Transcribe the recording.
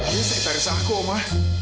dia sekretaris aku oma